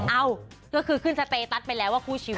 เอ้าก็คือขึ้นสเตตัสไปแล้วว่าคู่ชีวิต